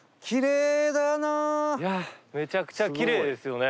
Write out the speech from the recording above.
いやめちゃくちゃきれいですよね。